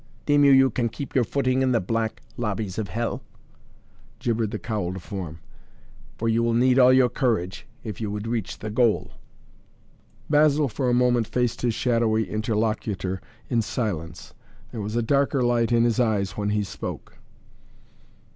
"Deem you, you can keep your footing in the black lobbies of hell?" gibbered the cowled form. "For you will need all your courage, if you would reach the goal!" Basil, for a moment, faced his shadowy interlocutor in silence. There was a darker light in his eyes when he spoke.